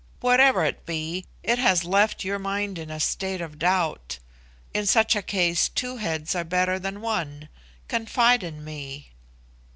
Whatever it be, it has left your mind in a state of doubt. In such a case two heads are better than one. Confide in me."